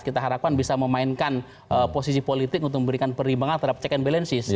kita harapkan bisa memainkan posisi politik untuk memberikan perimbangan terhadap check and balances